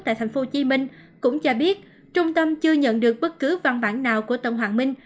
tại tp hcm cũng cho biết trung tâm chưa nhận được bất cứ văn bản nào của tân hoàng minh